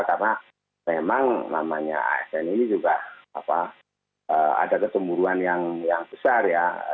karena memang asn ini juga ada ketemburuan yang besar ya